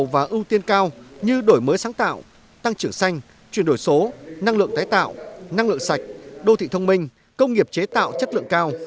và ưu tiên cao như đổi mới sáng tạo tăng trưởng xanh chuyển đổi số năng lượng tái tạo năng lượng sạch đô thị thông minh công nghiệp chế tạo chất lượng cao